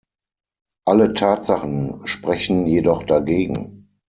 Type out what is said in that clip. Alle Tatsachen sprechen jedoch dagegen.